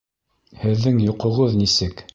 Һеҙҙең йоҡоғоҙ нисек?